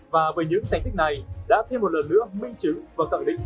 và với những thành tích này đã thêm một lần nữa minh chứng và cẳng định